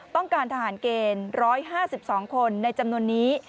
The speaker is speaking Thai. ต้องการทหารเกณฑ์๑๕๒คนในจำนวนนี้